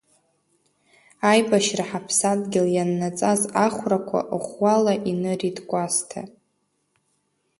Аибашьра ҳаԥсадгьыл ианнаҵаз ахәрақәа ӷәӷәала инырит Кәасҭа.